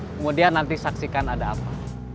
kemudian nanti saksikan ada apa